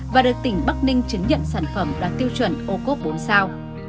và được tỉnh bắc ninh chứng nhận sản phẩm đạt tiêu chuẩn ô cốp bốn sao